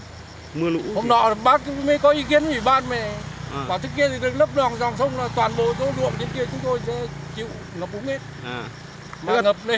hôm đó bác mới có ý kiến với bác mà bảo trước kia lấp đòn dòng sông là toàn bộ đổ đuộm trên kia chứ thôi chứ thôi chứ thôi ngập đúng hết